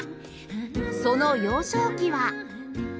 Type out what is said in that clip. その幼少期は